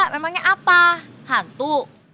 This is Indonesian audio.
memangnya apa hantu